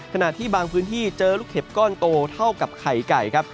ขณะที่บางพื้นที่เจอลูกเห็บก้อนโตเท่ากับไข่ไก่ครับ